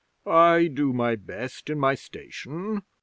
'"I do my best in my station."